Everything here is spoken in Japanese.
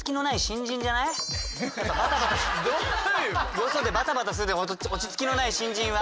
よそでバタバタする落ち着きのない新人は。